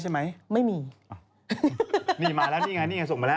เจ้าอัลติด